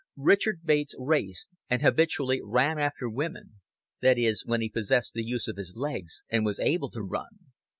Richard Bates raced, and habitually ran after women that is, when he possessed the use of his legs and was able to run.